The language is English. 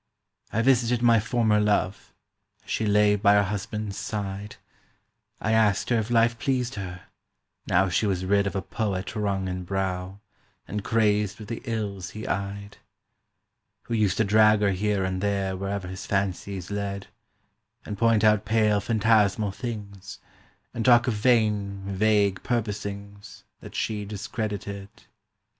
I visited my former Love As she lay by her husband's side; I asked her if life pleased her, now She was rid of a poet wrung in brow, And crazed with the ills he eyed; Who used to drag her here and there Wherever his fancies led, And point out pale phantasmal things, And talk of vain vague purposings That she discredited.